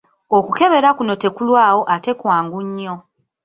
Okukebera kuno tekulwawo ate kwangu nnyo.